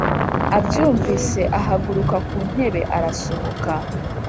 abyumvise ahaguruka ku ntebe arasohoka